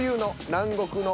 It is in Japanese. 「南国の」